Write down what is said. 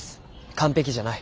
完璧じゃない。